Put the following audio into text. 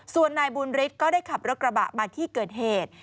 ส่วนนายบุญฤทธิ์ก็ได้ขับรถกระบะมาที่เกิดเหตุ